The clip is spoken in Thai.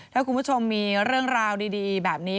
ถ้าคุณผู้ชมมีเรื่องราวดีแบบนี้